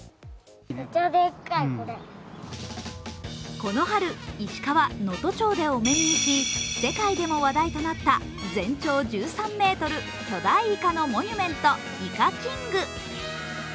この春、石川・能登町でお目見えし、世界でも話題となった全長１３ｍ、巨大いかのモニュメント、イカキング。